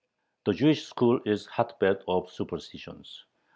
The Jewish school is "a hotbed of superstitions."